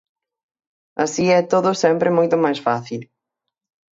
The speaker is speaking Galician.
Así é todo sempre moito máis fácil.